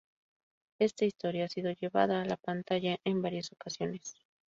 Esta historia ha sido llevada a la pantalla en varias ocasiones.